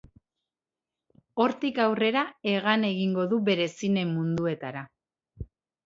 Hortik aurrera hegan egingo du bere zine munduetara.